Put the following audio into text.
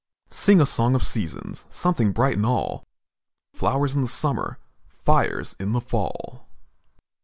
Sing a song of seasons! Something bright in all! Flowers in the summer, Fires in the fall!